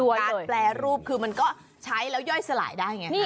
แปรรูปคือมันก็ใช้แล้วย่อยสลายได้ไง